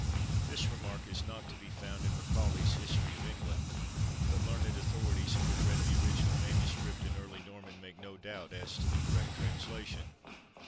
This remark is not to be found in Macaulay's History of England; but learned authorities who have read the original MS. in Early Norman, make no doubt as to the correct translation.